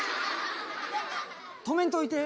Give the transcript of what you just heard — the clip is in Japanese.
止めんといて。